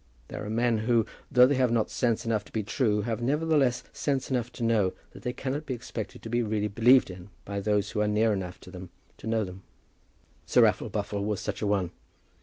There are men who, though they have not sense enough to be true, have nevertheless sense enough to know that they cannot expect to be really believed in by those who are near enough to them to know them. Sir Raffle Buffle was such a one.